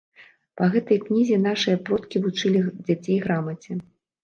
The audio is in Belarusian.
Па гэтай кнізе нашыя продкі вучылі дзяцей грамаце.